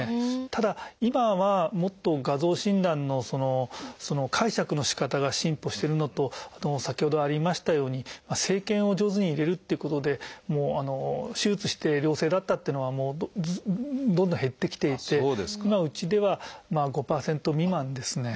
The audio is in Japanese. ただ今はもっと画像診断の解釈のしかたが進歩してるのと先ほどありましたように生検を上手に入れるっていうことで手術して良性だったっていうのはどんどん減ってきていて今うちでは５％未満ですね。